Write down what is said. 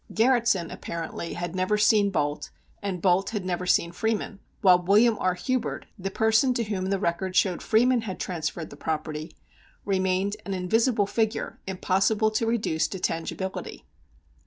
Garretson apparently had never seen Bolte, and Bolte had never seen Freeman, while William R. Hubert, the person to whom the record showed Freeman had transferred the property, remained an invisible figure, impossible to reduce to tangibility.